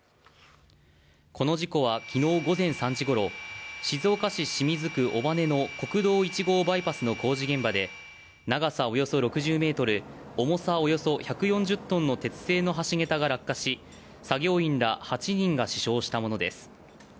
この事故はきのう午前３時ごろ、静岡市清水区尾羽の国道１号バイパスの工事現場で、長さおよそ６０ｍ重さおよそ１４０ｔの鉄製の橋げたが落下し、作業員ら８人が死傷したものです。